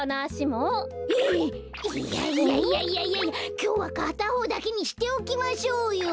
きょうはかたほうだけにしておきましょうよ。